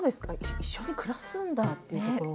一緒に暮らすんだというところは。